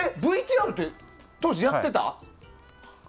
ＶＴＲって当時、やってた？